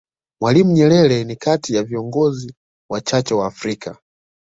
Mwalimu Nyerere ni kati ya viingozi wachache wa Afrika